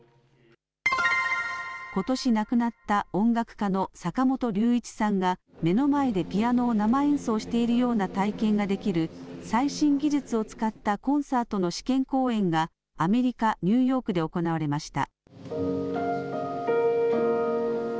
ことし亡くなった音楽家の坂本龍一さんが目の前でピアノを生演奏しているような体験ができる最新技術を使ったコンサートの試験公演がアメリカ・ニューヨークで行われました。